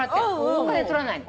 お金取らないの。